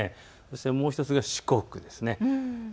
もう１つが四国です。